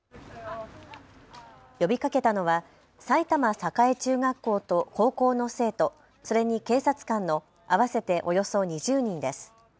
呼びかけたのは埼玉栄中学校と高校の生徒、それに警察官の合わせておよそ２０人です。